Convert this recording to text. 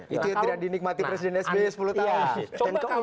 itu yang tidak dinikmati presiden sby sepuluh tahun